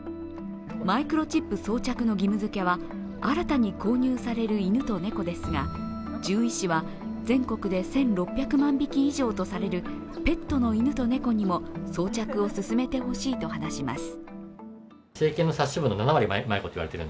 マイクロチップ装着の義務付けは、新たに購入される犬と猫ですが獣医師は、全国で１６００万匹以上とされるペットの犬と猫にも装着を進めてほしいと話します。